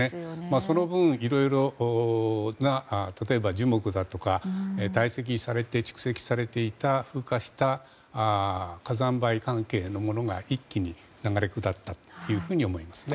その分、いろいろな例えば、樹木だとか堆積されて蓄積されていて雨下した火山灰関係のものが一気に流れ下ったというふうに思いますね。